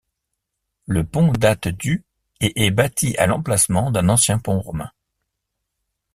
Le pont date du et est bâti à l'emplacement d'un ancien pont romain.